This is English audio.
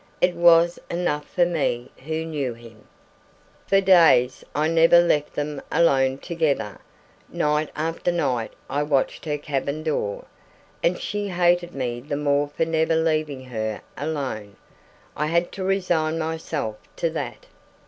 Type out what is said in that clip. It was enough for me who knew him. For days I never left them alone together. Night after night I watched her cabin door. And she hated me the more for never leaving her alone! I had to resign myself to that.